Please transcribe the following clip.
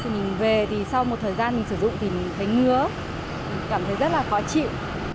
thì mình về thì sau một thời gian mình sử dụng thì mình thấy ngứa mình cảm thấy rất là khó chịu